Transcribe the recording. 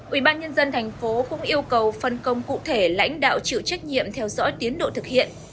ubnd tp cũng yêu cầu phân công cụ thể lãnh đạo chịu trách nhiệm theo dõi tiến độ thực hiện